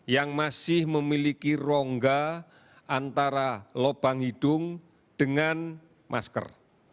yang masih memiliki rongga antara lobang hidung dengan masker